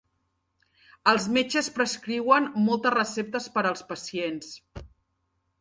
Els metges prescriuen moltes receptes per als pacients.